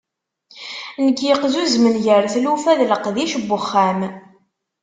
Nekk yeqzuzmen gar tlufa d leqdic n uxxam.